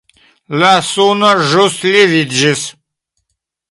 La suno ĵus leviĝis.